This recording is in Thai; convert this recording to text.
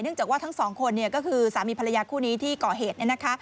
เนื่องจากว่าทั้งสองคนก็คือสามีภรรยาคู่นี้ที่เกาะเหตุ